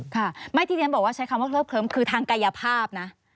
ค่ะไม่ที่เรียนบอกว่าใช้คำว่าเคลิบเคิ้มคือทางกายภาพนะ